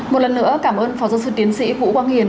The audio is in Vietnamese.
một lần nữa cảm ơn phó giáo sư tiến sĩ vũ quang hiền